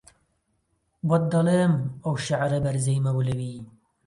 بۆت دەڵێم ئەو شێعرە بەرزەی مەولەوی